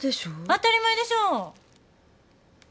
当たり前でしょう。